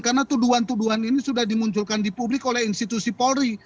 karena tuduhan tuduhan ini sudah dimunculkan di publik oleh institusi polri